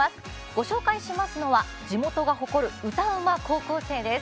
ご紹介しますのは地元が誇る歌うま高校生です。